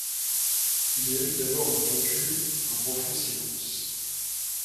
Il y eut d’abord un recul, un profond silence.